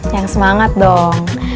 yang semangat dong